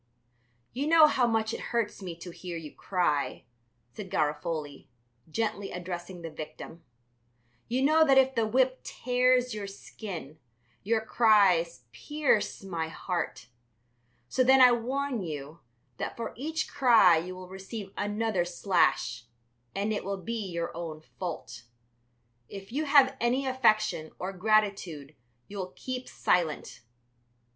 "You know how much it hurts me to hear you cry," said Garofoli, gently, addressing the victim. "You know that if the whip tears your skin, your cries pierce my heart. So then I warn you that for each cry you will receive another slash, and it will be your own fault. If you have any affection or gratitude you will keep silent.